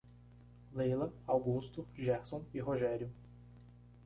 Leila, Augusto, Gerson e Rogério